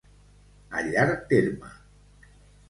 A llarg terme.